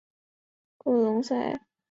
库隆塞。